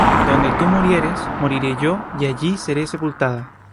Donde tú murieres, moriré yo, y allí seré sepultada: